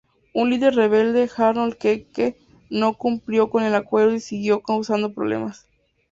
Un líder rebelde, Harold Keke, no cumplió con el acuerdo y siguió causando problemas.